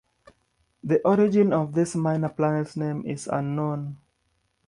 The origin of this minor planet's name is unknown.